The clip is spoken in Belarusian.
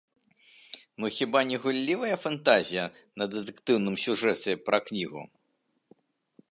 Ну хіба не гуллівая фантазія на дэтэктыўным сюжэце пра кнігу?